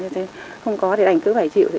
không có thì đành cứ phải chịu thôi